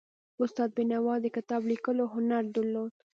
استاد بینوا د کتاب لیکلو هنر درلود.